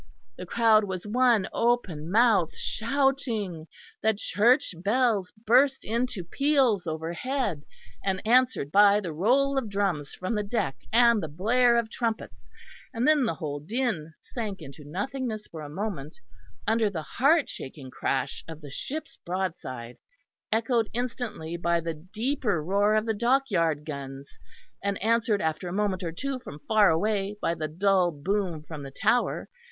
The crowd was one open mouth, shouting, the church bells burst into peals overhead, answered by the roll of drums from the deck and the blare of trumpets; and then the whole din sank into nothingness for a moment under the heart shaking crash of the ship's broadside, echoed instantly by the deeper roar of the dockyard guns, and answered after a moment or two from far away by the dull boom from the Tower.